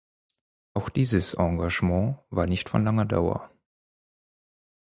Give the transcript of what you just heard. Auch dieses Engagement war nicht von langer Dauer.